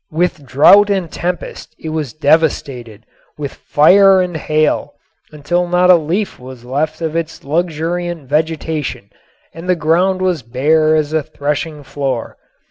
With drought and tempest it was devastated, with fire and hail, until not a leaf was left of its luxuriant vegetation and the ground was bare as a threshing floor.